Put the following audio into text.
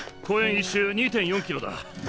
１周２．４キロだ。